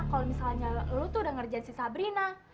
kalau misalnya lu tuh udah ngerjain si sabrina